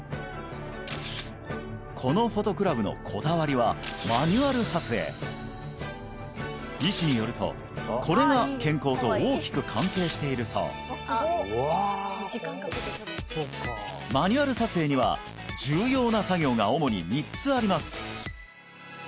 このフォトクラブのこだわりはマニュアル撮影医師によるとこれが健康と大きく関係しているそうマニュアル撮影には重要な作業が主に３つあります